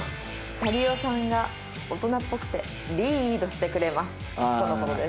「サリオさんが大人っぽくてリードしてくれます」との事です。